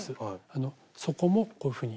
あの底もこういうふうに。